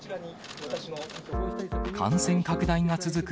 感染拡大が続く